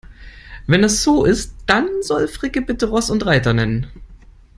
Wenn das so ist, dann soll Fricke bitte Ross und Reiter nennen.